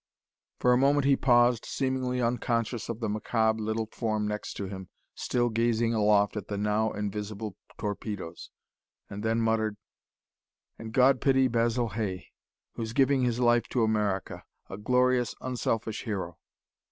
For a moment he paused, seemingly unconscious of the macabre little form next to him, still gazing aloft at the now invisible torpedoes, and then muttered: "And God pity Basil Hay, who's giving his life to America a glorious, unselfish hero.